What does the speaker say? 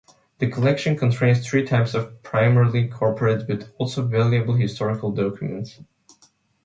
The collection contains three types of primarily corporate but also valuable historical documents.